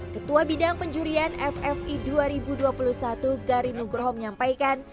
ketua bidang penjurian ffi dua ribu dua puluh satu gari nugroho menyampaikan